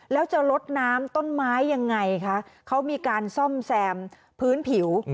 แล้วจะลดน้ำต้นไม้ยังไงคะเขามีการซ่อมแซมพื้นผิว